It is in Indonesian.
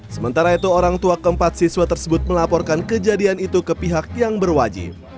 sementara itu orang tua keempat siswa tersebut melaporkan kejadian itu ke pihak yang berwajib